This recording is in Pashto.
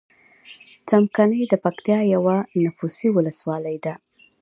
څمکنی دپکتیا یوه نفوسې ولسوالۍ ده.